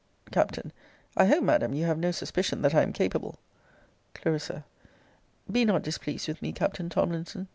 Capt. I hope, Madam, you have no suspicion that I am capable Cl. Be not displeased with me, Captain Tomlinson.